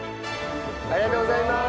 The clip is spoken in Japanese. ありがとうございます！